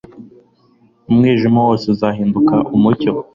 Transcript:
umwijima wose uzahinduka umucyo